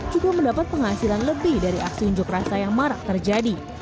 juga mendapat penghasilan lebih dari aksi unjuk rasa yang marak terjadi